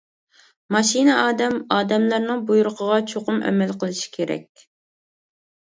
ماشىنا ئادەم ئادەملەرنىڭ بۇيرۇقىغا چوقۇم ئەمەل قىلىشى كېرەك.